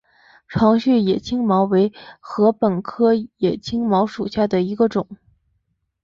长序野青茅为禾本科野青茅属下的一个种。